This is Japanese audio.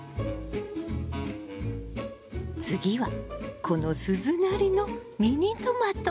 次はこの鈴なりのミニトマト！